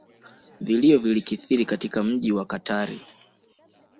Vilio vilikithiri katika mji wa katari